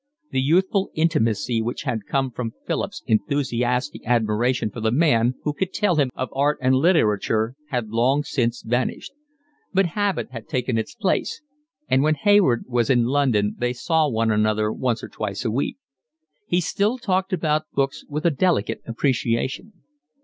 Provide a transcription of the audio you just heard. The youthful intimacy which had come from Philip's enthusiastic admiration for the man who could tell him of art and literature had long since vanished; but habit had taken its place; and when Hayward was in London they saw one another once or twice a week. He still talked about books with a delicate appreciation.